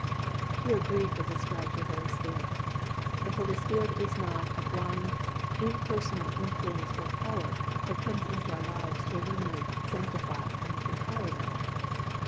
Here grief is ascribed to the Holy Spirit. The Holy Spirit is not a blind, impersonal influence or power that comes into our lives to illuminate, sanctify and empower them.